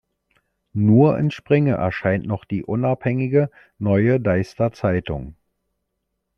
Nur in Springe erscheint noch die unabhängige Neue Deister-Zeitung.